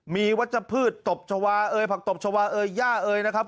มีวัชพืชตตบชาวาเอยผักตบชาวาเอยย่าเอยนะครับ